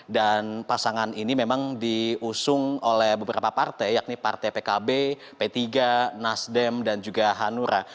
dan pasangan ini memang diusung oleh beberapa partai yakni partai pkb p tiga nasdem dan juga hanura